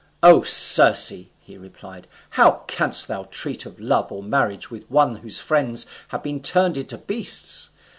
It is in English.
_'] "O Circe," he replied, "how canst thou treat of love or marriage with one whose friends thou hast turned into beasts?